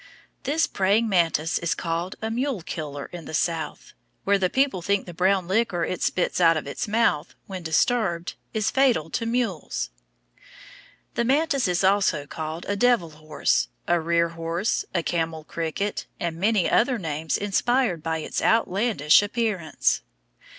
This praying mantis is called a "mule killer" in the South, where the people think the brown liquor it spits out of its mouth, when disturbed, is fatal to mules. The mantis is also called a devil horse, a rear horse, a camel cricket, and many other names inspired by its outlandish appearance.